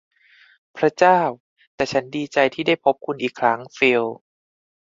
พระเจ้า แต่ฉันดีใจที่พบคุณอีกครั้ง ฟิล